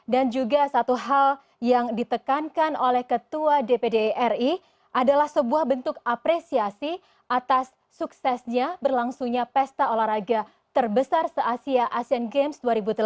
dan juga satu hal yang ditekankan oleh ketua dpd ri adalah sebuah bentuk apresiasi atas suksesnya berlangsungnya pesta olahraga terbesar se asia asean games dua ribu delapan belas